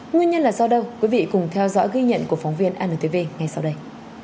nguyên nhân là do đâu quý vị cùng theo dõi ghi nhận của phóng viên antv ngay sau đây